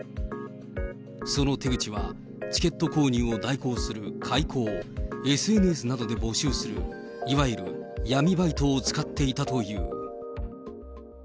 その手口は、チケット購入を代行する、買い子をＳＮＳなどで募集する、いわゆる闇バイトを使っていたという。